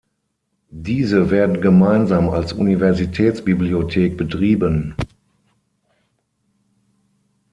Diese werden gemeinsam als Universitätsbibliothek betrieben.